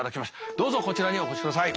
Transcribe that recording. どうぞこちらにお越しください。